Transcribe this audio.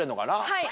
はい。